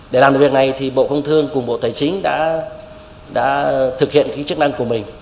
để làm được việc này thì bộ công thương cùng bộ tài chính đã thực hiện chức năng của mình